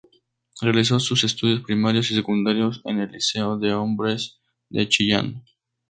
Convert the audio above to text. Realizó sus estudios primarios y secundarios en el Liceo de Hombres de Chillán.